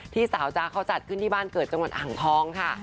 สาวจ๊ะเขาจัดขึ้นที่บ้านเกิดจังหวัดอ่างทองค่ะ